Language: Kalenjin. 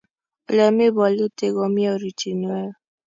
ole mi bolutik komie ortinwek